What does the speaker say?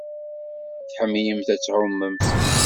Tḥemmlemt ad tɛumemt.